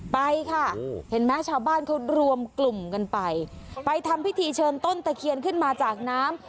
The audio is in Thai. ไปค่ะเห็นไหมชาวบ้านเขารวมกลุ่มกันไปไปทำพิธีเชิญต้นตะเคียนขึ้นมาจากน้ำ